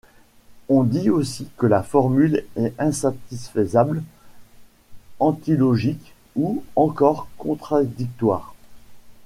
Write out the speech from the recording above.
On dit aussi que la formule est insatisfaisable, antilogique ou encore contradictoire.